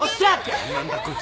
何だこいつら！